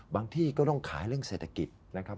ที่ก็ต้องขายเรื่องเศรษฐกิจนะครับ